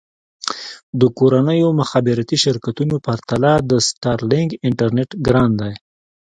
د کورنیو مخابراتي شرکتونو پرتله د سټارلېنک انټرنېټ ګران دی.